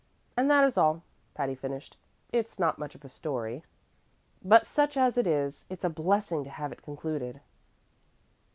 And that is all," Patty finished. "It's not much of a story, but such as it is, it's a blessing to have it concluded."